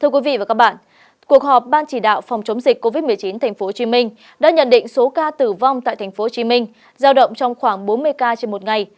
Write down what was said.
cuộc họp ban chỉ đạo phòng chống dịch covid một mươi chín tp hcm đã nhận định số ca tử vong tại tp hcm giao động trong khoảng bốn mươi ca trên một ngày